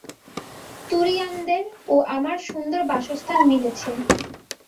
তুরীয়ানন্দের ও আমার সুন্দর বাসস্থান মিলেছে।